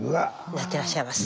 なってらっしゃいます。